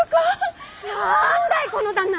何だいこの旦那。